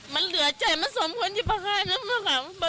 มันเหลือเจ็บมันสมขนที่ประหารนะ